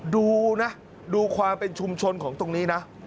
ดูนะดูความเป็นชุมชนของตรงนี้นะ